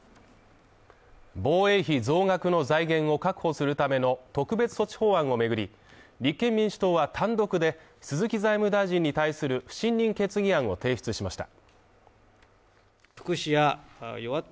防衛費増額の財源を確保するための特別措置法案を巡り、立憲民主党は単独で鈴木財務大臣に対する不信任決議案を提出しました。